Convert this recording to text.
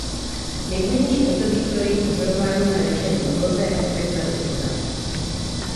Nejvhodnější období pro její pozorování na večerní obloze je od května do srpna.